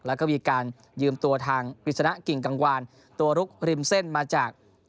แล้วก็มีการยืมตัวทางปริศนากิ่งกังวานตัวลุกริมเส้นมาจาก